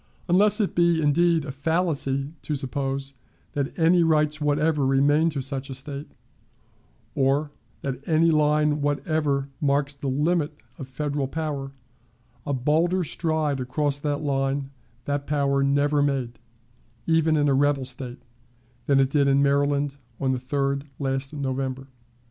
Unless it be, indeed, a fallacy to suppose that any rights whatever remain to such a State, or that any line whatever marks the limit of Federal power, a bolder stride across that line that power never made, even in a rebel State, than it did in Maryland on the 3d of last November.